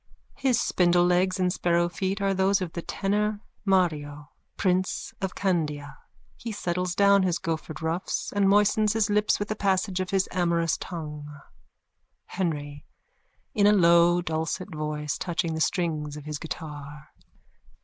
His spindlelegs and sparrow feet are those of the tenor Mario, prince of Candia. He settles down his goffered ruffs and moistens his lips with a passage of his amorous tongue.)_ HENRY: _(In a low dulcet voice, touching the strings of his guitar.)